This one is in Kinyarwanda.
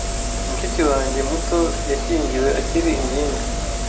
Mushiki wanjye muto yashyingiwe akiri ingimbi.